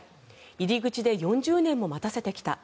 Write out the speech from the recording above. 入り口で４０年も待たせてきた。